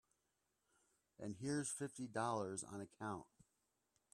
And here's fifty dollars on account.